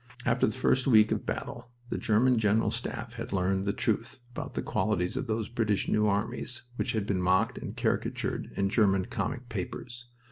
After the first week of battle the German General Staff had learned the truth about the qualities of those British "New Armies" which had been mocked and caricatured in German comic papers.